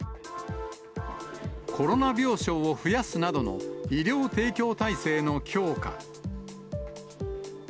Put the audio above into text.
コロナ病床を増やすなどの医療提供体制の強化。